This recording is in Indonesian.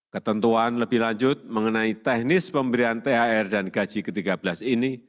ketentuan lebih lanjut mengenai teknis pemberian thr dan gaji ke tiga belas ini